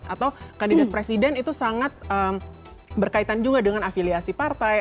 atau kandidat presiden itu sangat berkaitan juga dengan afiliasi partai